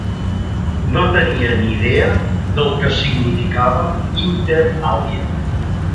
No tenia ni idea del que significava "inter alia".